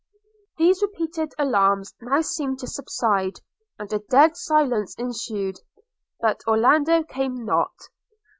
These repeated alarms now seemed to subside, and a dead silence ensued, but still Orlando came not.